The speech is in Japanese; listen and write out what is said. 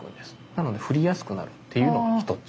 なので振りやすくなるっていうのが一つ。